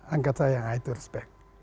angkat saya itu respect